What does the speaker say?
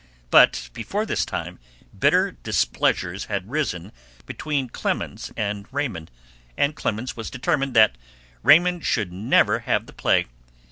But before this time bitter displeasures had risen between Clemens and Raymond, and Clemens was determined that Raymond should never have the play.